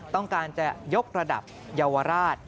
ต้องการจะยกระดับเยาวราช